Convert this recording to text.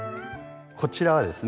こちらはですね